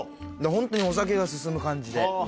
ホントにお酒が進む感じで。